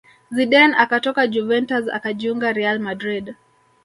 Zidane akatoka Juventus akajiunga real madrid